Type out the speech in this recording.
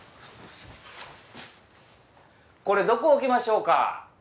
これどこ置きましょうか？